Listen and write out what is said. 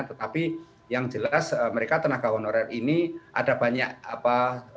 tetapi yang jelas mereka tenaga honorer ini ada banyak apa